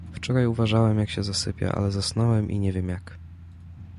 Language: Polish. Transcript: "Wczoraj uważałem, jak się zasypia, ale zasnąłem i nie wiem, jak."